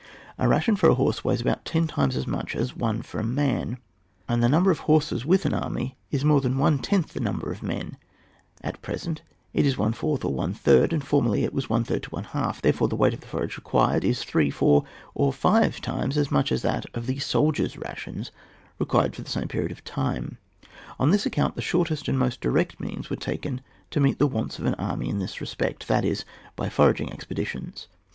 A ration for a horse weighs about ten times as much as one for a man, and the number of horses with an army is more than one tenth the number of men, at present it is one fourth to one third, and formerly it was one third to one half, therefore the weight of the forage required is three, four, or five times as much as that of the soldier's rations required for the same period of time; on this account the shortest and most direct means were taken to meet the wants of an army in this respect, that is by foraging expedi tions.